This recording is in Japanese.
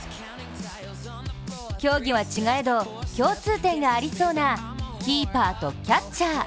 競技は違えど、共通点がありそうなキーパーとキャッチャー。